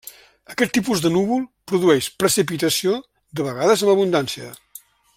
Aquest tipus de núvol produeix precipitació, de vegades amb abundància.